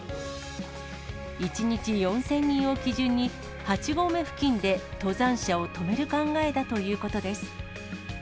１日４０００人を基準に、８合目付近で登山者を止める考えだということです。